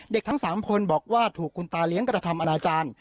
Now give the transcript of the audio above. ทั้ง๓คนบอกว่าถูกคุณตาเลี้ยงกระทำอนาจารย์